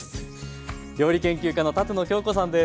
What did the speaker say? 料理研究家の舘野鏡子さんです。